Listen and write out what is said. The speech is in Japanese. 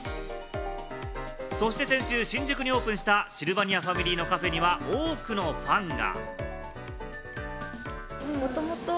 そして先週、新宿にオープンしたシルバニアファミリーのカフェには多くのファンが。